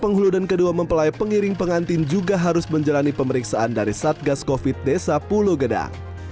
penghulu dan kedua mempelai pengiring pengantin juga harus menjalani pemeriksaan dari satgas covid desa pulau gedang